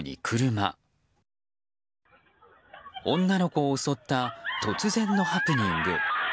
女の子を襲った突然のハプニング。